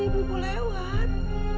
itu tadi ibu lewat